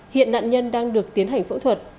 hiện nạn nhân đang được tiến hành phẫu thuật